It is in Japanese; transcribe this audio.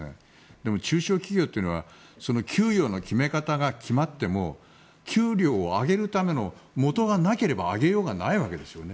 でも中小企業というのは給与の決め方が決まっても給料を上げるためのもとがなければ上げようがないわけですよね。